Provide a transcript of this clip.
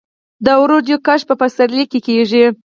د وریجو کښت په پسرلي کې کیږي.